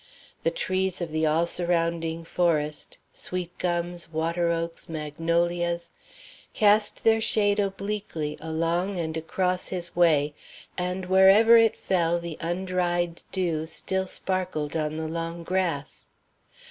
The trees of the all surrounding forest sweet gums, water oaks, magnolias cast their shade obliquely along and across his way, and wherever it fell the undried dew still sparkled on the long grass.